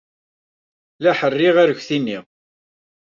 La ḥerriɣ arekti-nni.